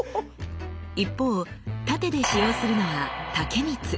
一方殺陣で使用するのは「竹光」。